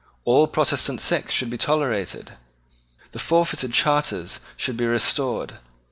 All Protestant sects should be tolerated. The forfeited charters should be restored.